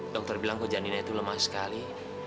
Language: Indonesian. dokter bilang kok janinnya itu lemah sekali